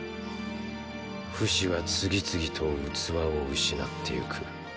フシは次々と器を失っていく。